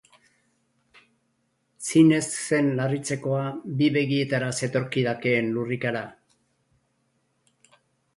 Zinez zen larritzekoa bi begietara zetorkidakeen lurrikara.